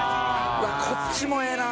うわっこっちもええな！